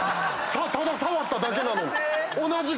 ただ触っただけなのに。